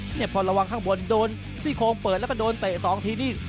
เนี่ยพอระวังข้างบนโดนซี่โครงเปิดแล้วก็โดนเตะ๒ทีนี่